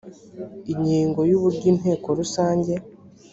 ingingo ya uburyo inteko rusange